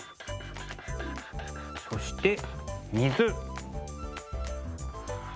そして水。